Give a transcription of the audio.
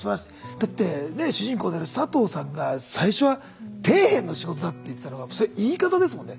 だってね主人公である佐藤さんが最初は底辺の仕事だって言ってたのが言い方ですもんね